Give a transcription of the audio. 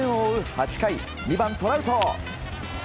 ８回２番、トラウト。